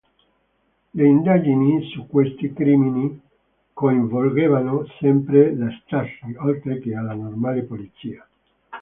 Le indagini su questi crimini coinvolgevano sempre la Stasi oltre che alla normale polizia.